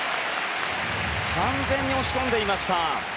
完全に押し込んでいました。